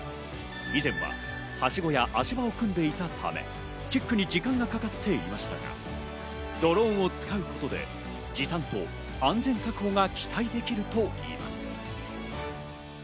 以前は、はしごや足場を組んでいたため、チェックに時間がかかっていましたが、ドローンを使うことで時短と安全確保が期待できるといいます。